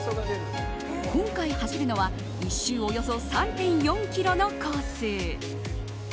今回走るのは１周およそ３．４ｋｍのコース。